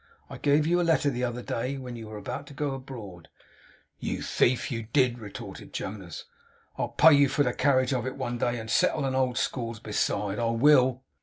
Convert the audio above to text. I gave you a letter the other day, when you were about to go abroad.' 'You Thief, you did!' retorted Jonas. 'I'll pay you for the carriage of it one day, and settle an old score besides. I will!